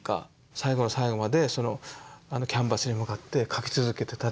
最後の最後までキャンバスに向かって描き続けてたっていう。